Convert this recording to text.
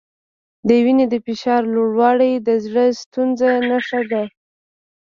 د وینې د فشار لوړوالی د زړۀ ستونزې نښه ده.